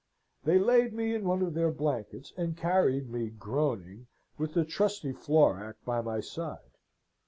They laid me in one of their blankets, and carried me, groaning, with the trusty Florac by my side.